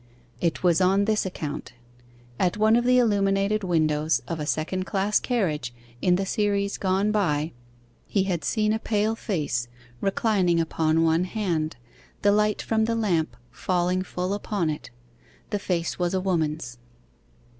It was on this account. At one of the illuminated windows of a second class carriage in the series gone by, he had seen a pale face, reclining upon one hand, the light from the lamp falling full upon it. The face was a woman's.